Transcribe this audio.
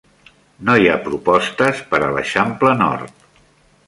No hi ha propostes per a l'Eixample Nord.